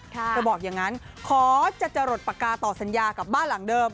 เธอบอกอย่างนั้นขอจะจรดปากกาต่อสัญญากับบ้านหลังเดิม